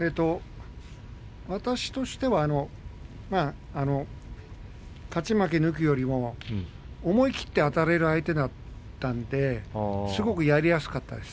私としては勝ち負け抜きよりも思い切ってあたれる相手だったのですごくやりやすかったです。